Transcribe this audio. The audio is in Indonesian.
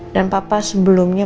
dan papa sebelumnya